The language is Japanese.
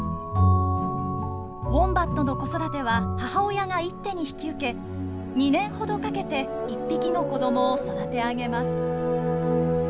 ウォンバットの子育ては母親が一手に引き受け２年ほどかけて１匹の子どもを育て上げます。